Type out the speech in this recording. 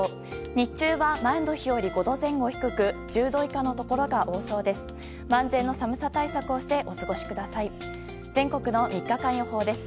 日中は前の日より５度前後低く１０度以下のところが多そうです。